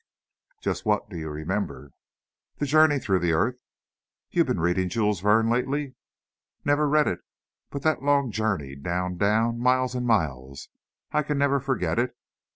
"Just what do you remember?" "That journey through the earth " "You been reading Jules Verne lately?" "Never read it. But that long journey down, down, miles and miles, I can never forget it!